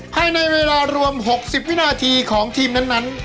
ภายในเวลารวม๖๐วินาทีของทีมนั้น